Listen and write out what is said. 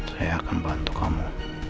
saya akan bantu kamu